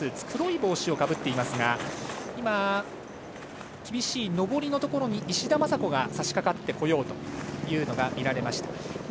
黒い帽子をかぶっていますが厳しい上りのところに石田正子がさしかかってこようというのが見られました。